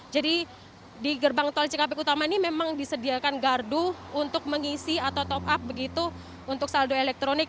jadi di gerbang tol cikampek utama ini memang disediakan gardu untuk mengisi atau top up begitu untuk saldo elektronik